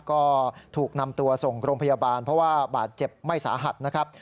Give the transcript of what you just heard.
ก็ถูกนำตัวส่งโรงพยาบาลเพราะว่าบาดเจ็บไม่สาหัสนะครับ